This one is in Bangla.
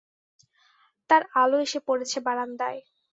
তার আলো এসে পড়েছে বারান্দায়।